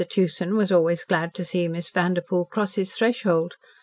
Tewson was always glad to see Miss Vanderpoel cross his threshold.